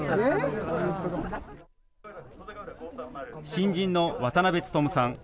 新人の渡辺務さん。